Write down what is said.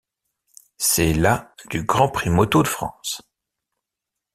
C'est la du Grand Prix moto de France.